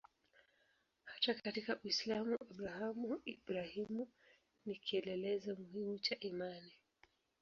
Hata katika Uislamu Abrahamu-Ibrahimu ni kielelezo muhimu cha imani.